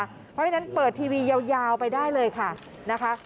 เพราะฉะนั้นเปิดทีวียาวไปได้เลยค่ะนะคะ